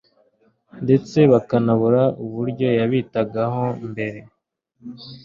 ndetse bakanabura uburyo yabitagaho mbere,